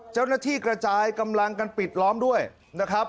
เจ้าหน้าที่กระจายกำลังกันปิดล้อมด้วยนะครับ